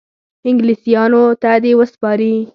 انګلیسیانو ته دي وسپاري.